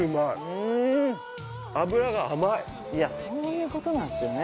いやそういうことなんすよね。